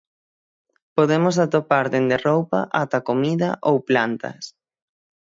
Podemos atopar dende roupa ata comida ou plantas.